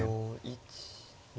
１２。